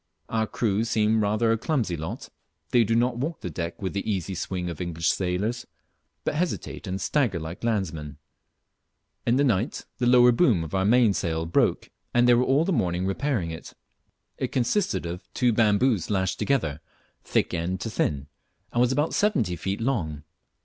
Our crew seem rather a clumsy lot. They do not walk the deck with the easy swing of English sailors, but hesitate and stagger like landsmen. In the night the lower boom of our mainsail broke, and they were all the morning repairing it. It consisted of two bamboos lashed together, thick end to thin, and was about seventy feet long.